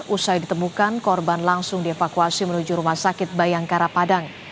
usai ditemukan korban langsung dievakuasi menuju rumah sakit bayangkara padang